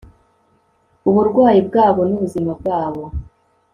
uburwayi bwabo n'ubuzima bwabo